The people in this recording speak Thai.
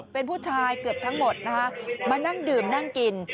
เป็นผู้ชายเกือบทั้งหมดนะคะมานั่งดื่มนั่งกิน